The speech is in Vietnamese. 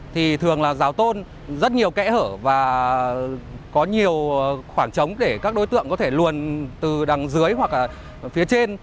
thường là rào tôn rất nhiều kẽ hở và có nhiều khoảng trống để các đối tượng có thể luồn từ đằng dưới hoặc phía trên